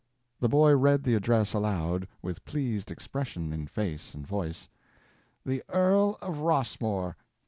The boy read the address aloud, with pleased expression in face and voice. "The Earl of Rossmore!